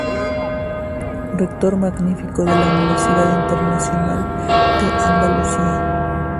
Rector Magnífico de la Universidad Internacional de Andalucía.